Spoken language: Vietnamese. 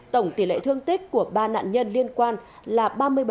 tổng tỷ lệ thương tích của ba nạn nhân liên quan là ba mươi bảy